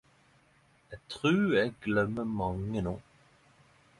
Eg trur eg gløymer mange no...